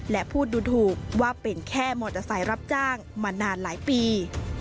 และพูดดูถูกว่าเป็นแค่มอเตอร์ไซค์รับจ้างมานานหลายปี